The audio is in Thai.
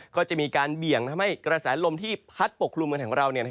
ก็จะมีการเบี่ยงทำให้กระแสลมที่พัดปกครุมเมืองของเรา